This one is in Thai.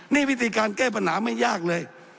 นี่วิธีการแก้ปัญหาไม่ยากเลย